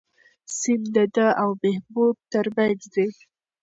سیند د ده او محبوب تر منځ دی.